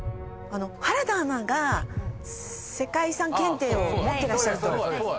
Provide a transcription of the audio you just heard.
原田アナが世界遺産検定を持ってらっしゃると。